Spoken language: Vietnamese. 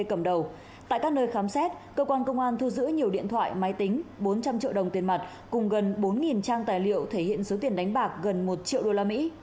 cơ quan công an thu giữ nhiều điện thoại máy tính bốn trăm linh triệu đồng tiền mặt cùng gần bốn trang tài liệu thể hiện số tiền đánh bạc gần một triệu đô la mỹ